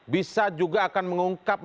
bisa juga akan mengungkap